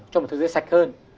cho một thế giới sạch hơn